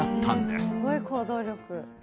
すごい行動力！